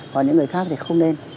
còn những người khác thì không nên